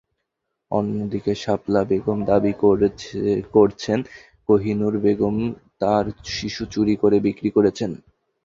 অন্যদিকে শাপালা বেগম দাবি করছেন, কহিনুর বেগম তাঁর শিশু চুরি করে বিক্রি করেছেন।